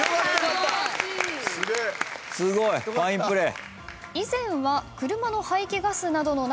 すごいファインプレー。